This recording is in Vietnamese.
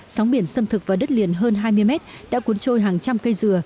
sóng biển xâm thực vào đất liền hơn hai mươi mét đã cuốn trôi hàng trăm cây dừa